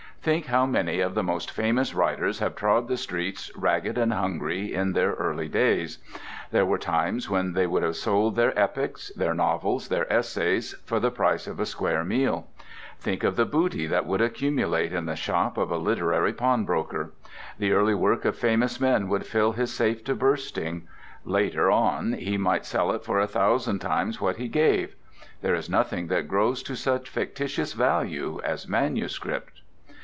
Think how many of the most famous writers have trod the streets ragged and hungry in their early days. There were times when they would have sold their epics, their novels, their essays, for the price of a square meal. Think of the booty that would accumulate in the shop of a literary pawnbroker. The early work of famous men would fill his safe to bursting. Later on he might sell it for a thousand times what he gave. There is nothing that grows to such fictitious value as manuscript.